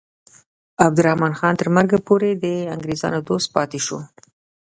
عبدالرحمن خان تر مرګه پورې د انګریزانو دوست پاتې شو.